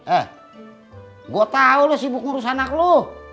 eh gua tau lu sibuk ngurus anak lu